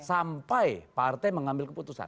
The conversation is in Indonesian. sampai partai mengambil keputusan